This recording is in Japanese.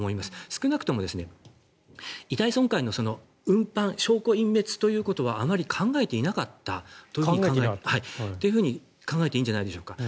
少なくとも、遺体損壊の運搬・証拠隠滅ということはあまり考えていなかったと考えていいんじゃないでしょうか。